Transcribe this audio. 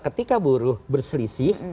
ketika buruh berselisih